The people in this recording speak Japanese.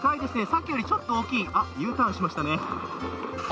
さっきより、ちょっと大きいＵターンしましたね。